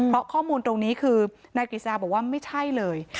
เพราะข้อมูลตรงนี้คือนายกฤษฎาบอกว่าไม่ใช่เลย